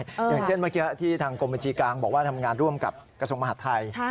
อย่างเช่นเมื่อกี้ที่ทางกรมบัญชีกลางบอกว่าทำงานร่วมกับกระทรวงมหาดไทย